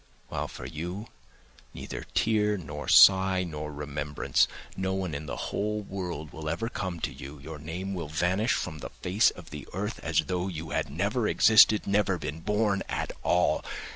While for you neither tear, nor sigh, nor remembrance; no one in the whole world will ever come to you, your name will vanish from the face of the earth—as though you had never existed, never been born at all!